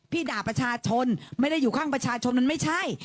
ด่าประชาชนไม่ได้อยู่ข้างประชาชนมันไม่ใช่